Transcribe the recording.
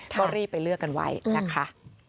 ก็รีบไปเลือกกันไว้นะคะ